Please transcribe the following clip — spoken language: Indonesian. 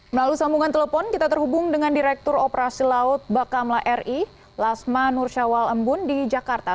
melalui sambungan telepon kita terhubung dengan direktur operasi laut bakamla ri lasma nursyawal embun di jakarta